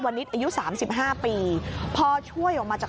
ก็ต้องถูกทยอยนำส่งรองพยาบาลเหมือนกันนะคะ